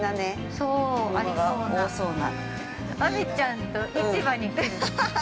◆亜美ちゃんと市場に来る。